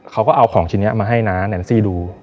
เขาก็เอาของชิ้นนี้มาให้น้าแนนซี่ดู